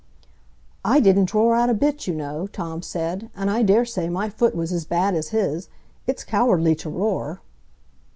"I didn't roar out a bit, you know," Tom said, "and I dare say my foot was as bad as his. It's cowardly to roar."